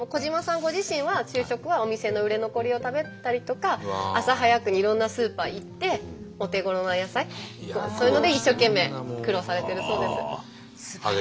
ご自身は昼食はお店の売れ残りを食べたりとか朝早くにいろんなスーパー行ってお手ごろな野菜そういうので一生懸命苦労されてるそうです。